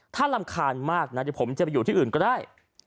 ถ้ารำคาญมากนะเดี๋ยวผมจะไปอยู่ที่อื่นก็ได้